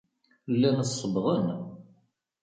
Llan sebbɣen.